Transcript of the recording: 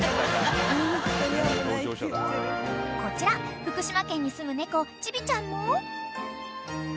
［こちら福島県にすむ猫チビちゃんも］